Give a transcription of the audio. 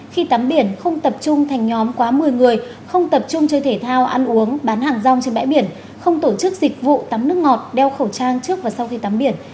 khi tắm biển không tập trung thành nhóm quá một mươi người không tập trung chơi thể thao ăn uống bán hàng rong trên bãi biển không tổ chức dịch vụ tắm nước ngọt đeo khẩu trang trước và sau khi tắm biển